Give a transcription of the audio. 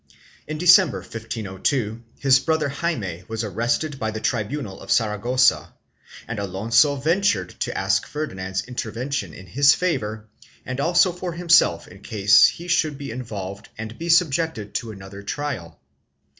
In December, 1502, his brother Jaime was arrested by the tri bunal of Saragossa, and Alonso ventured to ask Ferdinand's intervention in his favor and also for himself in case he should be involved and be subjected to another trial.